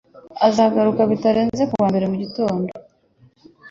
Azagaruka bitarenze kuwa mbere mugitondo.